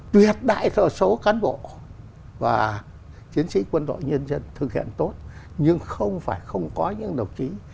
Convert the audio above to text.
tuyệt đại số cán bộ và chiến sĩ quân đội nhân dân thực hiện tốt nhưng không phải không có những đồng chí